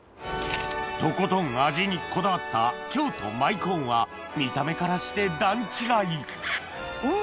とことん味にこだわった京都舞コーンは見た目からして段違いうわ！